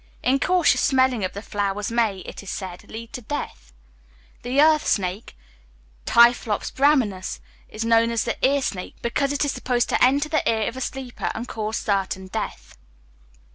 Incautious smelling of the flowers may, it is said, lead to death. The earth snake (Typhlops braminus) is known as the ear snake, because it is supposed to enter the ear of a sleeper, and cause certain death.